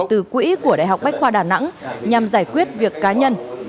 từ quỹ của đại học bách khoa đà nẵng nhằm giải quyết việc cá nhân